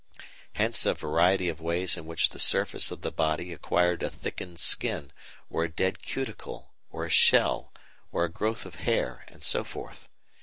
Hence a variety of ways in which the surface of the body acquired a thickened skin, or a dead cuticle, or a shell, or a growth of hair, and so forth.